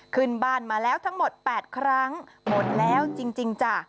ขึ้นบ้านมาแล้วทั้งหมด๘ครั้งหมดแล้วจริงจ้ะ